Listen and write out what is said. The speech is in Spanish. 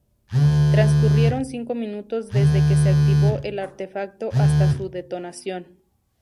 Transcurrieron cinco minutos desde que se activó el artefacto hasta su detonación.